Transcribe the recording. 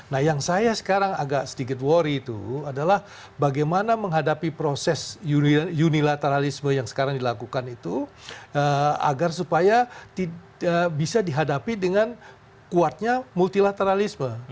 nah yang saya sekarang agak sedikit worry itu adalah bagaimana menghadapi proses unilateralisme yang sekarang dilakukan itu agar supaya bisa dihadapi dengan kuatnya multilateralisme